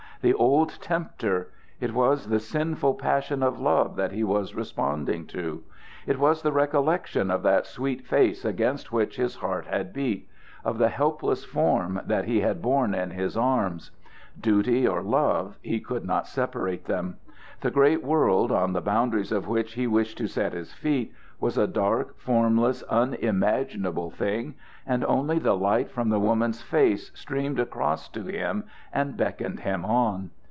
The old tempter! It was the sinful passion of love that he was responding to; it was the recollection of that sweet face against which his heart had beat of the helpless form that he had borne in his arms. Duty or love, he could not separate them. The great world, on the boundaries of which he wished to set his feet, was a dark, formless, unimaginable thing, and only the light from the woman's face streamed across to him and beckoned him on.